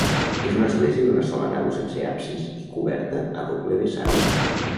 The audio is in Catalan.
És una església d'una sola nau sense absis i coberta a doble vessant.